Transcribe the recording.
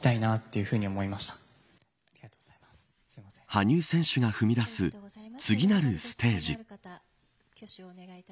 羽生選手が踏み出す次なるステージ。